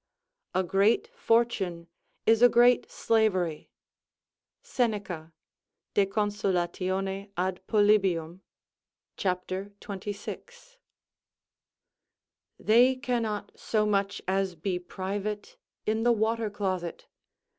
["A great fortune is a great slavery." Seneca, De Consol. ad. Polyb., c. 26.] They cannot so much as be private in the watercloset.